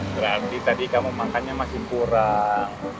berarti tadi kamu makannya masih kurang